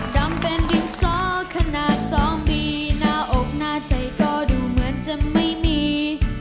ดำเป็นดินสอขนาด๒ปีหน้าอกหน้าใจก็ดูเหมือนจะไม่มี